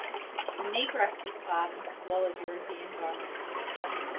The negress was clad in squalid European garments.